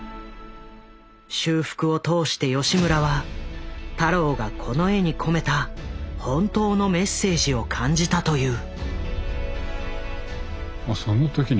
修復を通して吉村は太郎がこの絵に込めた本当のメッセージを感じたという。